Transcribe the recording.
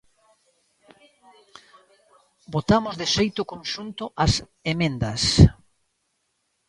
Votamos de xeito conxunto as emendas.